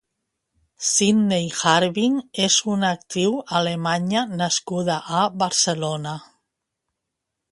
Sidney Hartwig és una actriu alemanya nascuda a Barcelona.